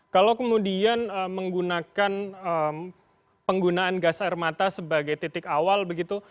kalau kemudian menggunakan penggunaan gas air mata sebagai titik awal begitu